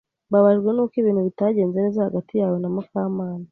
Mbabajwe nuko ibintu bitagenze neza hagati yawe na Mukamana.